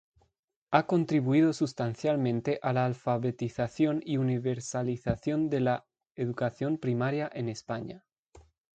Ha contribuido sustancialmente a la alfabetización y universalización de la educación primaria en España.